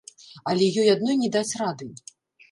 Але ёй адной не даць рады.